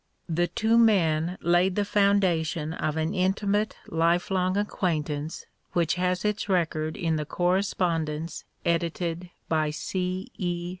The two men laid the foundation of an intimate lifelong acquaintance which has its record in the Correspondence edited by C. E.